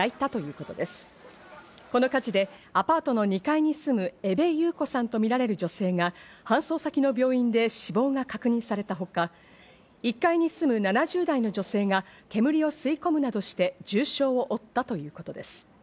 この火事でアパートの２階に住む江部祐子さんとみられる女性が搬送先の病院で死亡が確認されたほか、１階に住む７０代の女性が煙を吸い込むなどして重傷を負ったということです。